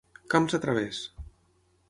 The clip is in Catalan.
Camps a través.